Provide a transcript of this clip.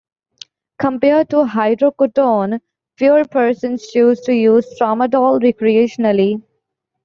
Compared to hydrocodone, fewer persons choose to use tramadol recreationally.